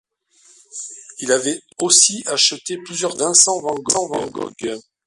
Il avait aussi acheté plusieurs tableaux de Vincent van Gogh.